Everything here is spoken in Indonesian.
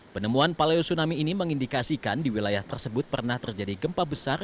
penemuan paleo tsunami ini mengindikasikan di wilayah tersebut pernah terjadi gempa besar